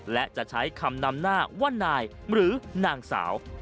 และจะใช้คำนำหน้าว่านายหรือนางสาว